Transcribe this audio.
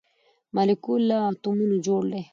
مالیکول له اتومونو جوړ دی